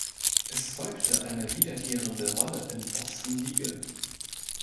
Es folgte eine wiederkehrende Rolle in "Boston Legal".